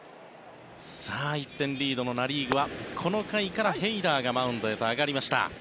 １点リードのナ・リーグはこの回からヘイダーがマウンドへと上がりました。